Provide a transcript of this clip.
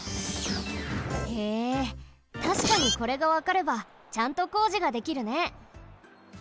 へえたしかにこれがわかればちゃんとこうじができるね。